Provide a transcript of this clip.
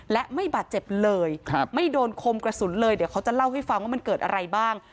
และไม่บาดเจ็บเลยไม่โดนคมกระสุนเลยเดี๋ยวเขาจะเล่าให้ฟังว่ามันเกิดอะไรบ้าง